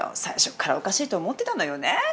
最初からおかしいと思ってたのよね。